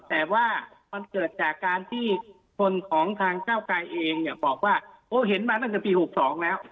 แต่ว่ามันเกิดจากการที่คนของทางเจ้าใก่เองหนึ่งเนี่ยบอกว่าเขาเห็นมาตั้งจะปี๖๒แล้ว